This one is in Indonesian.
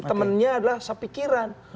temannya adalah sepikiran